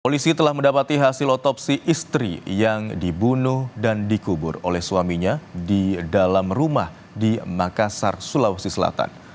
polisi telah mendapati hasil otopsi istri yang dibunuh dan dikubur oleh suaminya di dalam rumah di makassar sulawesi selatan